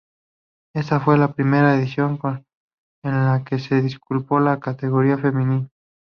Ésta fue la Primera edición en la que se disputó la categoría femenina.